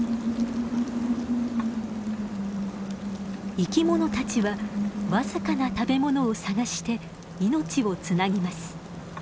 生き物たちは僅かな食べ物を探して命をつなぎます。